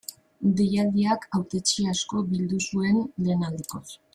Deialdiak hautetsi asko bildu zuen lehen aldikoz.